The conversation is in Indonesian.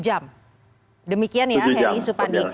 terima kasih howard